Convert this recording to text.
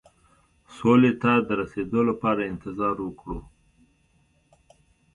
سولې ته د رسېدو لپاره انتظار وکړو.